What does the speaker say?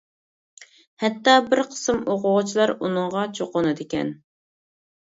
ھەتتا بىر قىسىم ئوقۇغۇچىلار ئۇنىڭغا چوقۇنىدىكەن.